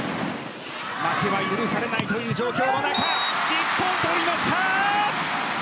負けは許されないという状況の中日本、取りました！